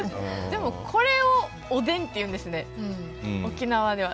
でもこれをおでんって言うんですね沖縄では。